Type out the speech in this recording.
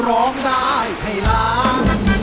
ร้องได้ให้ล้าน